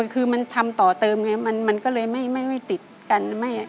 คือมันทำต่อเติมไงมันก็เลยไม่ติดกัน